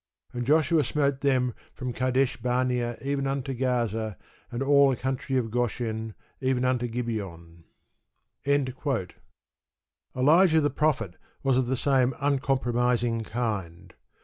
And Joshua smote them from Kadesh barnea even unto Gaza, and all the country of Goshen, even unto Gibeon. Elijah the prophet was of the same uncompromising kind.